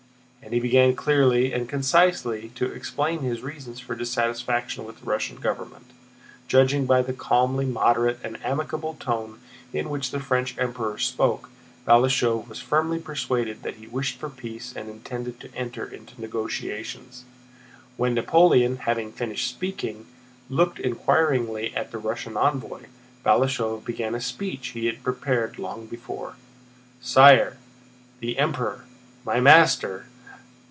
And he began clearly and concisely to explain his reasons for dissatisfaction with the Russian government. Judging by the calmly moderate and amicable tone in which the French Emperor spoke, Balashëv was firmly persuaded that he wished for peace and intended to enter into negotiations. When Napoleon, having finished speaking, looked inquiringly at the Russian envoy, Balashëv began a speech he had prepared long before: "Sire! The Emperor, my master..."